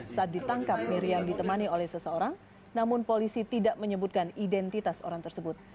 saat ditangkap miriam ditemani oleh seseorang namun polisi tidak menyebutkan identitas orang tersebut